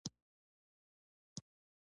یوازې مې د هغې جسد ته کتل چې ترڅنګ مې پروت و